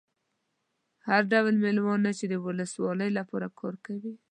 هر ډول مېلمانه چې د ولسوالۍ لپاره کار کوي.